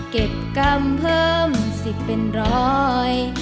เก็บกรรมเพิ่มสิทธิ์เป็นร้อย